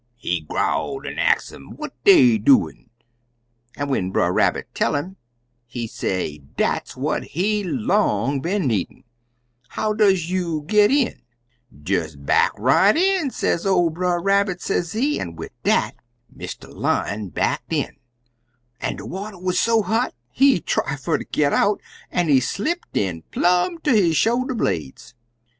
He growl an' ax um what dey doin', an' when Brer Rabbit tell 'im, he say dat's what he long been needin'. 'How does you git in?' 'Des back right in,' sez ol' Brer Rabbit, sezee, an' wid dat, "Mr. Lion backed in, an' de water wuz so hot, he try fer ter git out, an' he slipped in plum ter his shoulder blades.